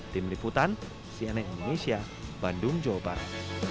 tim liputan cnn indonesia bandung jawa barat